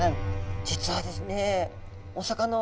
実はですね